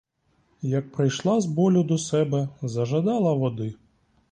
Як прийшла з болю до себе, зажадала води.